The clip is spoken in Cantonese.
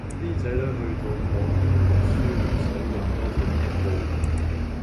啲仔女去到嗰邊讀書唔使話多謝邊一個